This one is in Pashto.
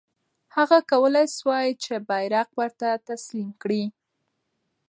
هغه کولای سوای چې بیرغ ورته تسلیم کړي.